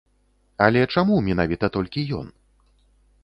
Але чаму менавіта толькі ён?